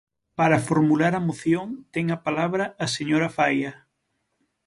Para formular a moción ten a palabra a señora Faia.